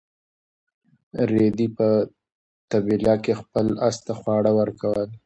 رېدي په طبیله کې خپل اس ته خواړه ورکول.